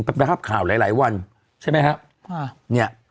เป็นภาพข่าวหลายวันใช่ไหมครับเนี่ย